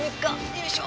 よいしょ！